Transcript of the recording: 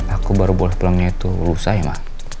aku baru boleh pulangnya itu lusa ya mak